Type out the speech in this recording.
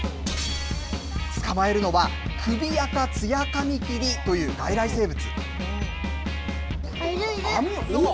捕まえるのは、クビアカツヤカミキリという外来生物。